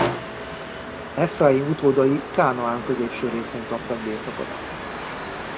Efraim utódai Kánaán középső részén kaptak birtokot.